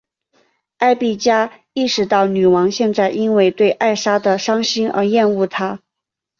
艾碧嘉意识到女王现在因为对莎拉的伤心而厌恶她。